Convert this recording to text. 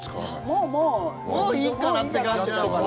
もう、もうもういいかなって感じかな。